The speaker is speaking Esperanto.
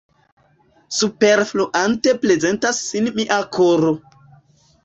Superfluante prezentas sin mia koro.